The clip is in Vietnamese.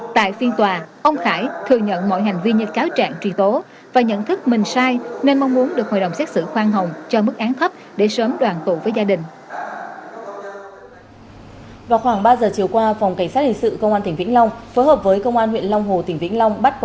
tại phiên tòa ông khải thừa nhận mọi hành vi như cáo trạng truy tố và nhận thức mình sai nên mong muốn được hội đồng xét xử khoan hồng cho mức án thấp để sớm đoàn tụ với gia đình